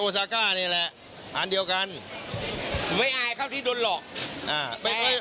ซาก้านี่แหละอันเดียวกันผมไม่อายครับที่โดนหลอกอ่าไป